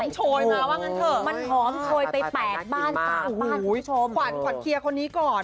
หอมโชยมาว่างั้นเถอะมันหอมโชยไปแปะบ้านอู้หูยขวัดเคียคนนี้ก่อน